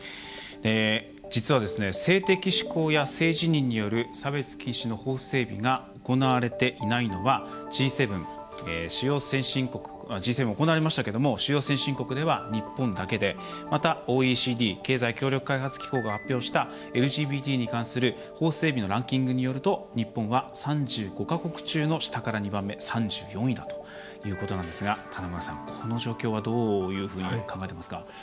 実はですね性的指向や性自認による差別禁止の法整備が行われていないのはＧ７、行われましたけども主要先進国では日本だけでまた、ＯＥＣＤ＝経済協力開発機構が発表したＬＧＢＴに関する法整備のランキングによると日本は３５か国中の下から２番目３４位だということなんですが棚村さん、この状況はどういうふうに考えてますか？